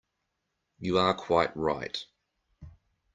You are quite right.